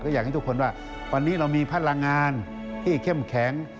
อยากให้ทุกคนว่าวันนี้เรามีพลังงานที่เข้มแข็ง